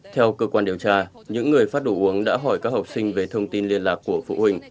theo cơ quan điều tra những người phát đồ uống đã hỏi các học sinh về thông tin liên lạc của phụ huynh